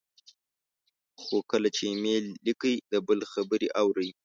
خو کله چې ایمیل لیکئ، د بل خبرې اورئ،